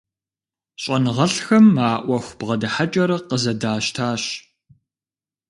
ЩӀэныгъэлӀхэм а Ӏуэху бгъэдыхьэкӀэр къызэдащтащ.